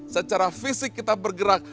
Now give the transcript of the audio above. secara fisik kita bergerak